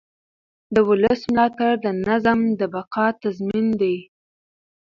د ولس ملاتړ د نظام د بقا تضمین دی